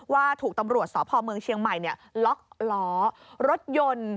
ว่าถูกตำรวจสพเมืองเชียงใหม่ล็อกล้อรถยนต์